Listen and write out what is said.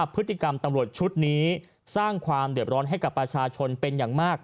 พฤติกรรมตำรวจชุดนี้สร้างความเดือบร้อนให้กับประชาชนเป็นอย่างมาก